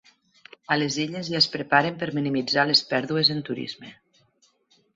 A les Illes ja es preparen per minimitzar les pèrdues en turisme.